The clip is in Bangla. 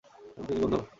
তার মুখে কি গন্ধ?